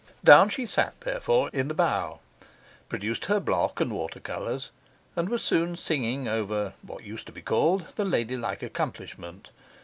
Down she sat therefore in the bow, produced her block and water colours, and was soon singing over (what used to be called) the ladylike accomplishment.